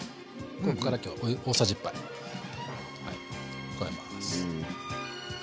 ここから今日大さじ１杯加えます。